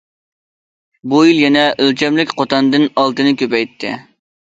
بۇ يىل يەنە ئۆلچەملىك قوتاندىن ئالتىنى كۆپەيتتى.